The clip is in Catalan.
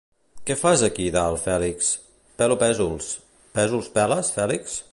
—Què fas aquí dalt, Fèlix? —Pelo Pèsols. —Pèsols peles, Fèlix?